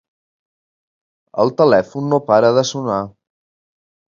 El telèfon no para de sonar.